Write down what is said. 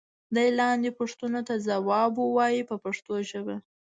دې لاندې پوښتنو ته ځواب و وایئ په پښتو ژبه.